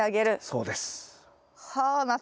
そうです。